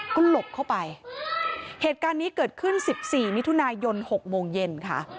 ก็หลบเข้าไปเหตุการณ์นี้เกิดขึ้นสิบสี่มิถุนายนหกโมงเย็นค่ะ